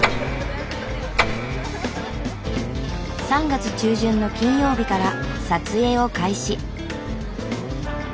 ３月中旬の金曜日から撮影を開始。